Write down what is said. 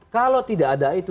kalau tidak ada itu